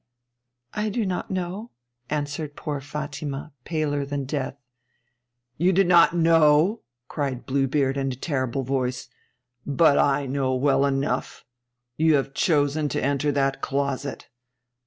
'I do not know,' answered poor Fatima, paler than death. 'You do not know!' cried Blue Beard in a terrible voice. 'But I know well enough. You have chosen to enter that closet.